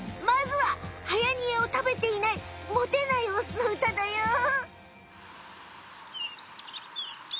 まずははやにえを食べていないモテないオスのうただよ。